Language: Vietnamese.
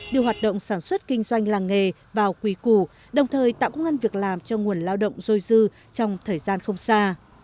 điều hoạt động sản xuất kinh doanh làng nghề vào quỳ cũ đồng thời tạo ngân việc làm cho nguồn lao động dôi dư trong thời gian không xa